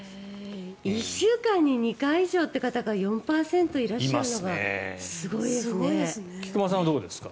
１週間に２回以上という方が４％くらいいるのが菊間さんはどうですか？